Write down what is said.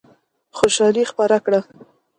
خوشالي خپره کړه.